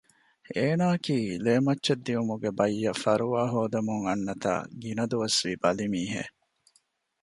އޭނާއަކީ ލޭމައްޗަށް ދިއުމުގެ ބައްޔަށް ފަރުވާހޯދަމުން އަންނަތާ ގިނަ ދުވަސްވީ ބަލިމީހެއް